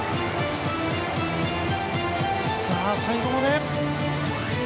さあ、最後まで。